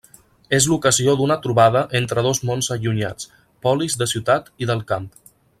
És l'ocasió d'una trobada entre dos mons allunyats: polis de ciutat i del camp.